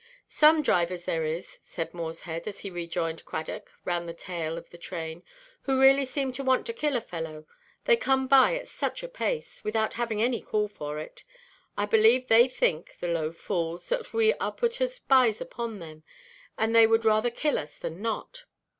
"Some drivers there is," said Morshead, as he rejoined Cradock round the tail of the train, "who really seem to want to kill a fellow, they come by at such a pace, without having any call for it. I believe they think, the low fools, that we are put as spies upon them, and they would rather kill us than not.